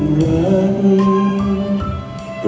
อันความรัก